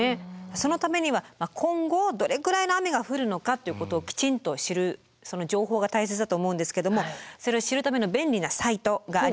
そのためには今後どれくらいの雨が降るのかっていうことをきちんと知るその情報が大切だと思うんですけどもそれを知るための便利なサイトがあります。